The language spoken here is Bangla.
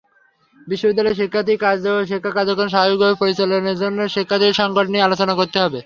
বিশ্ববিদ্যালয়ের শিক্ষা কার্যক্রম স্বাভাবিকভাবে পরিচালনার জন্য শিক্ষার্থীদের সংকট নিয়ে আলোচনা করতে হবে।